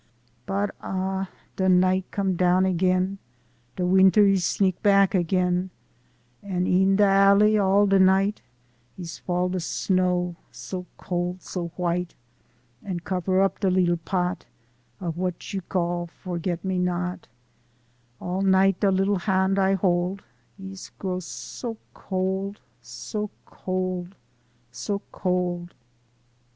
But, ah ! da night com' down an' den Da weenter ees sneak back agen, An' een da alley all da night Ees fall da snow, so cold, so white, An' cover up da leetla pot Of w'at you calla forgat me not. All night da leetla hand I hold Ees grow so cold, so cold, so cold.